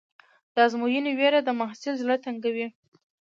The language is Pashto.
د ازموینې وېره د محصل زړه تنګوي.